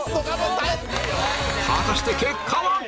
果たして結果は⁉